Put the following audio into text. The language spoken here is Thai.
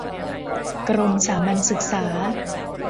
กรมสามัญศึกษา